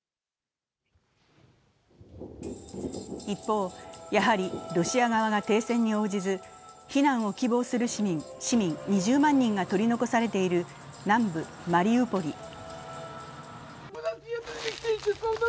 一方、やはりロシア側が停戦に応じず避難を希望する市民２０万人が取り残されている南部マリウポリ。